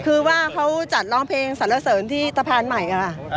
คือว่าเขาจัดร้องเพลงสรรเสริญที่สะพานใหม่ค่ะ